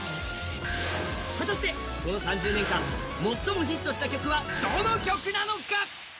果たして、この３０年間、最もヒットした曲はどの曲なのか？